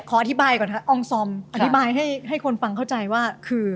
ขออธิบายก่อนค่ะองซอมอธิบายให้คนฟังเข้าใจว่าคือ